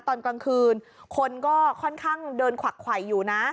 ตอนกลางคืนคนก็ค่อนข้างเดินขวักไขวอยู่นะ